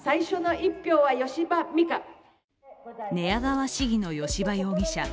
寝屋川市議の吉羽容疑者。